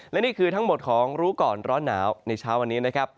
และนี่คือทั้งหมดของรู้ก่อนร้อนหนาวในเช้าวันนี้นะครับ